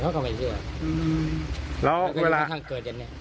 เขาก็ไม่เชื่ออืมแล้วเวลาท่านเกิดอย่างเนี้ย